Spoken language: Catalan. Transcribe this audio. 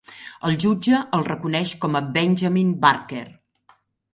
El jutge el reconeix com a "Benjamin Barker!"